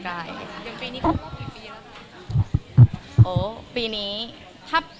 ถ้าปีนี้ใช่ไหมครับก็๕